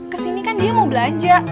kesini kan dia mau belanja